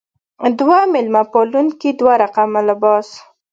دوه مېلمه پالونکې دوه رقمه لباس.